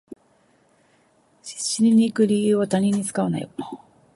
死にに行く理由に他人を使うなよ